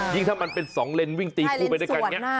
ยิ่งถ้ามันเป็น๒เลนวิ่งตีคู่ไปด้วยกัน